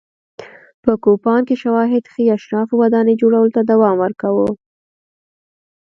په کوپان کې شواهد ښيي اشرافو ودانۍ جوړولو ته دوام ورکاوه.